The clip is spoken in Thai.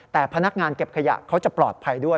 แต่พนักงานเก็บขยะเขาจะปลอดภัยด้วย